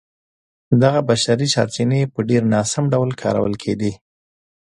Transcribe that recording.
دغه بشري سرچینې په ډېر ناسم ډول کارول کېدې.